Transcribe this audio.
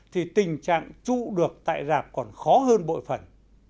thì tình trạng trụ được tại rạp còn khó hơn bội phần